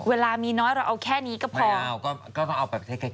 เวลามีน้อยเราเอาแค่นี้ก็พอก็ต้องเอาแบบให้ใกล้